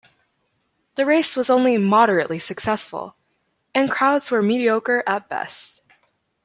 The race was only moderately successful, and crowds were mediocre at best.